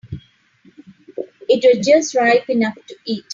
It was just ripe enough to eat.